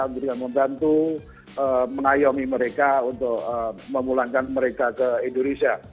memberikan membantu mengayomi mereka untuk memulangkan mereka ke indonesia